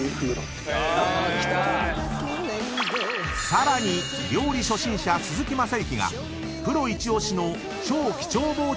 ［さらに料理初心者鈴木雅之がプロ一押しの超貴重包丁を購入⁉］